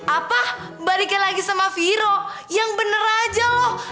apa balikin lagi sama vero yang bener aja loh